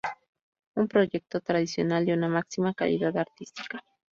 Es un proyecto tradicional de una máxima calidad artística.